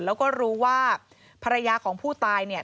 แล้วก็รู้ว่าภรรยาของผู้ตายเนี่ย